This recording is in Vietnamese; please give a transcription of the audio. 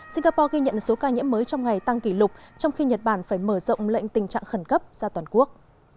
singapore ghi nhận số ca nhiễm mới trong ngày tăng kỷ lục trong khi nhật bản phải mở rộng lệnh tình trạng khẩn cấp ra toàn quốc